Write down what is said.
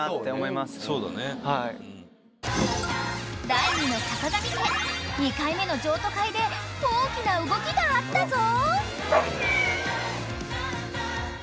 ［第２の坂上家２回目の譲渡会で大きな動きがあったぞ！］